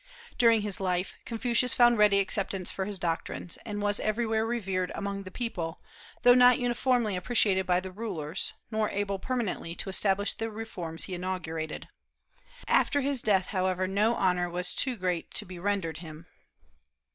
During his life Confucius found ready acceptance for his doctrines, and was everywhere revered among the people, though not uniformly appreciated by the rulers, nor able permanently to establish the reforms he inaugurated. After his death, however, no honor was too great to be rendered him.